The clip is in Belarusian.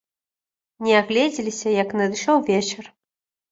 Не агледзеліся, як надышоў вечар.